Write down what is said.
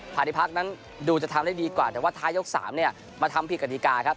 พานิพักนั้นดูจะทำได้ดีกว่าแต่ว่าท้ายยก๓เนี่ยมาทำผิดกฎิกาครับ